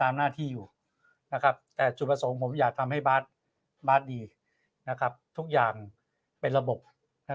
ตามหน้าที่อยู่นะครับแต่จุดประสงค์ผมอยากทำให้บ้านบ้านดีนะครับทุกอย่างเป็นระบบนะ